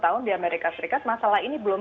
tahun di amerika serikat masalah ini belum